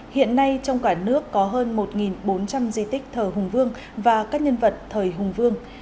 hiện nay trong cả nước có hơn một bốn trăm linh di tích thờ hùng vương và các nhân vật thời hùng vương